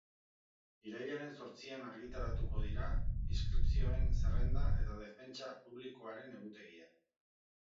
Irailaren zortzian argitaratuko dira inskripzioen zerrenda eta defentsa publikoaren egutegia.